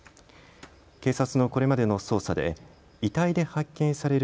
警察のこれまでの捜査で遺体で発見される